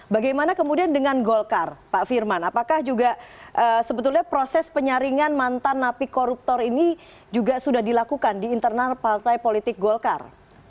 bagaimana kemudian dengan golkar pak firman apakah juga sebetulnya proses penyaringan mantan napi koruptor ini juga sudah dilakukan di internal partai politik golkar